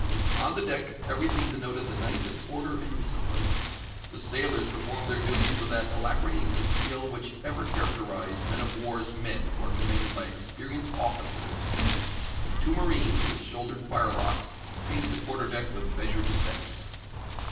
On the deck every thing denoted the nicest order and discipline. The sailors performed their duties with that alacrity and skill which ever characterise men of war's men who are commanded by experienced officers; and two marines, with shouldered firelocks, paced the quarter deck with measured steps.